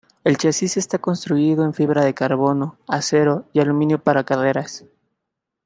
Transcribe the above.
El chasis está construido en fibra de carbono, acero y aluminio para carreras.